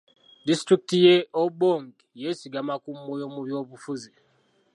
Disitulikiti y'e Obongi yeesigama ku Moyo mu byobufuzi.